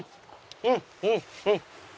うんうんうん！